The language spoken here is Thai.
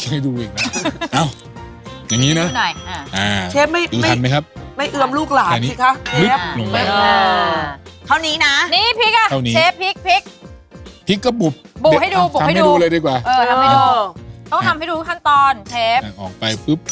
ฉีกฉีกให้ดูฉีกให้ดูอีกแหละเอ้า